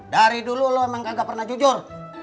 dari dulu lo emang kagak pernah jujur